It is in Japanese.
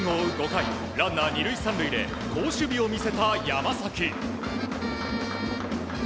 ５回ランナー２塁３塁で好守備を見せた山崎。